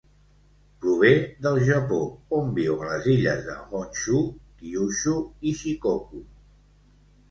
Prové del Japó, on viu a les illes de Honshū, Kyūshū i Shikoku.